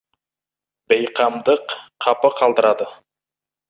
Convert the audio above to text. Бейқамдық қапы қалдырады.